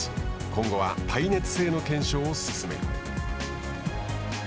今後は耐熱性の検証を進める。